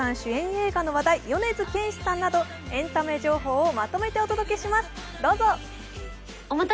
映画の話題、米津玄師さんなどエンタメ情報をまとめてお届けします。